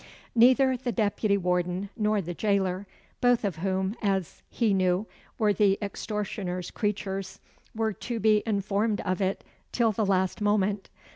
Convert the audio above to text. Neither the deputy warden nor the jailer both of whom, as he knew, were the extortioner's creatures were to be informed of it till the last moment.